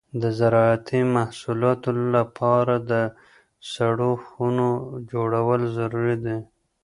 د زراعتي محصولاتو لپاره د سړو خونو جوړول ضروري دي.